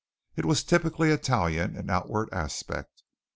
It was typically Italian in outward aspect.